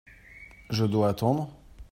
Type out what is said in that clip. Je dois attendre ?